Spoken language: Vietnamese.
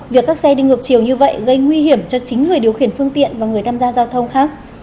việc các xe đi ngược chiều như vậy gây nguy hiểm cho chính người điều khiển phương tiện và người tham gia giao thông khác